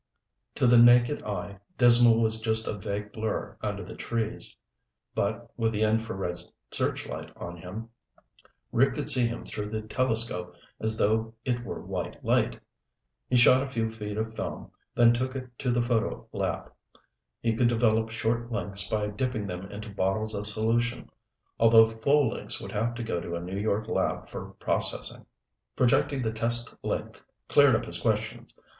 To the naked eye, Dismal was just a vague blur under the trees. But with the infrared searchlight on him, Rick could see him through the telescope as though it were white light. He shot a few feet of film, then took it to the photo lab. He could develop short lengths by dipping them into bottles of solution, although full lengths would have to go to a New York lab for processing. Projecting the test length cleared up his questions.